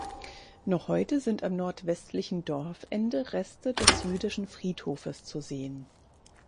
Noch heute sind am nordwestlichen Dorfende Reste des jüdischen Friedhofes zu sehen.